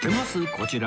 こちら。